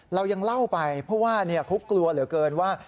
เรายังเล่าไปเพราะว่าเขากลัวเหลือเกินว่า